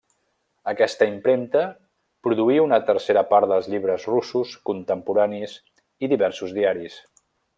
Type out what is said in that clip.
Aquesta impremta produí una tercera part dels llibres russos contemporanis i diversos diaris.